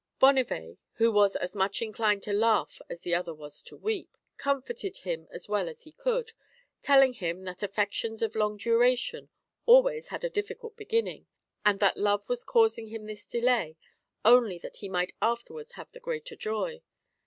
Bonnivet, who was as much inclined to laugh as the other was to weep, comforted him as well as he could, telling him that affections of long duration always had a difficult beginning, and that Love was causing him this delay only that he might afterwards have the greater joy.